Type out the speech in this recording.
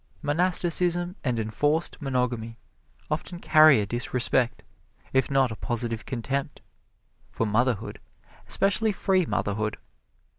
Monasticism and enforced monogamy often carry a disrespect, if not a positive contempt, for motherhood, especially free motherhood.